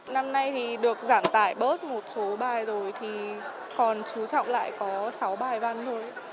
năm nay thì được giảm tải bớt một số bài rồi thì còn chú trọng lại có sáu bài văn thôi